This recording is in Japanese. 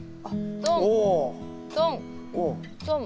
トントントン。